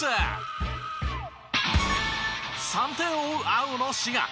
３点を追う青の滋賀。